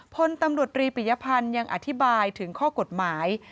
พลตำรวจรีปิยพันธ์ยังอธิบายถึงข้อกฎหมาย